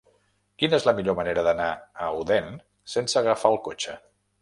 Quina és la millor manera d'anar a Odèn sense agafar el cotxe?